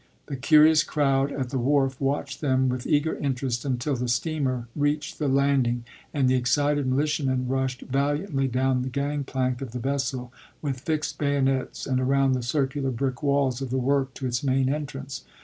The curious crowd at the wharf watched them with eager interest until the steamer reached the land ing, and the excited militiamen rushed valiantly down the gang plank of the vessel with fixed bay onets and around the circular brick walls of the work to its main entrance.